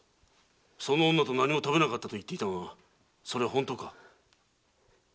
その女と「何も食べなかった」と言っていたがそれは本当か？